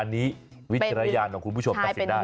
ครับ